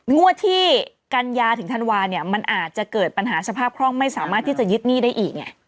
งวดที่กันยาถึงธันวาเนี่ยมันอาจจะเกิดปัญหาสภาพคล่องไม่สามารถที่จะยึดหนี้ได้อีกไง